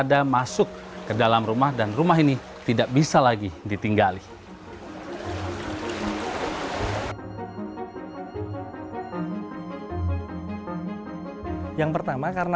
dulu melati ini banyak